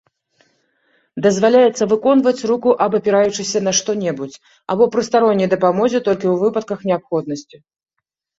Дазваляецца выконваць руку абапіраючыся на што-небудзь або пры старонняй дапамозе, толькі ў выпадках неабходнасці.